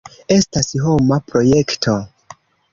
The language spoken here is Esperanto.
Estas homa projekto.